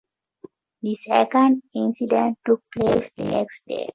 The second incident took place the next day.